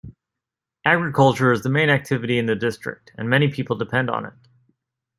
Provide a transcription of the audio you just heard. Agriculture is the main activity in the district and many people depend on it.